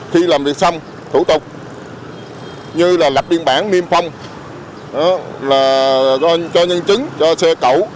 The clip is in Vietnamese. khi làm việc xong thủ tục như là lập biên bản niêm phong là cho nhân chứng cho xe cẩu